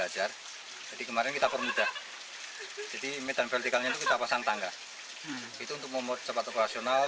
jadi kemarin kita permudah jadi medan vertikalnya kita pasang tangga itu untuk memut cepat operasional